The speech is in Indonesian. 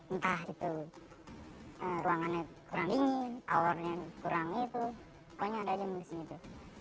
entah itu ruangannya kurang dingin awarnya kurang itu pokoknya ada aja mesin itu